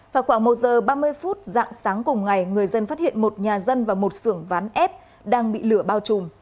vào khoảng một giờ ba mươi phút dạng sáng cùng ngày người dân phát hiện một nhà dân và một xưởng ván ép đang bị lửa bao trùm